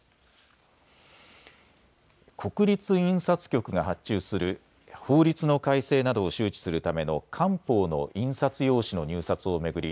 国立印刷局が発注する法律の改正などを周知するための官報の印刷用紙の入札を巡り